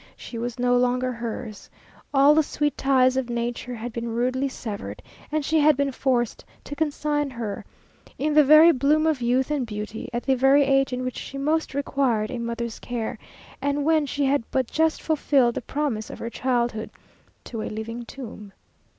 She was no longer hers. All the sweet ties of nature had been rudely severed, and she had been forced to consign her, in the very bloom of youth and beauty, at the very age in which she most required a mother's care, and when she had but just fulfilled the promise of her childhood, to a living tomb.